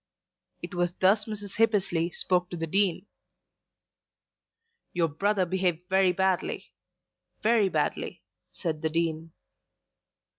It was thus that Mrs. Hippesley spoke to the Dean. "Your brother behaved very badly; very badly," said the Dean.